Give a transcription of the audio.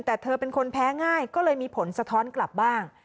แต่เธอเป็นคนแพ้ง่ายก็เลยมีผลสะท้อนกลับบ้าง